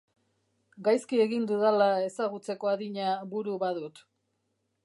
Gaizki egin dudala ezagutzeko adina buru badut.